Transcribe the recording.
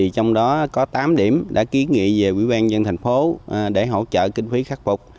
trong đó có tám điểm đã ký nghị về quỹ ban nhân thành phố để hỗ trợ kinh phí khắc phục